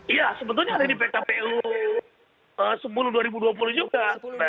iya sebetulnya ada di pkpu sepuluh tahun dua ribu dua puluh juga